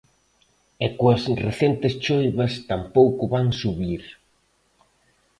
E coas recentes choivas tampouco van subir.